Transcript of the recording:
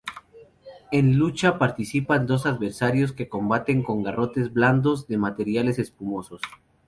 En lucha participan dos adversarios que combaten con garrotes blandos de materiales espumosos.